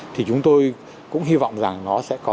thì chúng tôi cũng hy vọng rằng nó sẽ tăng cao